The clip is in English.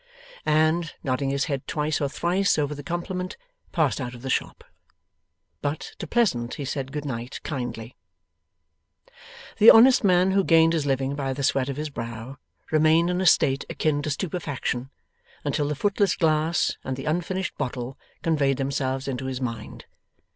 and, nodding his head twice or thrice over the compliment, passed out of the shop. But, to Pleasant he said good night kindly. The honest man who gained his living by the sweat of his brow remained in a state akin to stupefaction, until the footless glass and the unfinished bottle conveyed themselves into his mind.